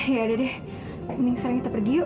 ya udah deh mending selang kita pergi yuk